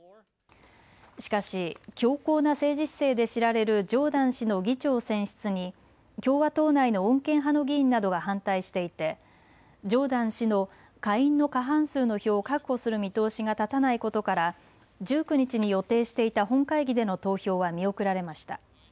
しかし強硬な政治姿勢で知られるジョーダン氏の議長選出に共和党内の穏健派の議員などが反対していてジョーダン氏の下院の過半数の票を確保する見通しが立たないことから１９日に予定していた本会議での投票は見送られました。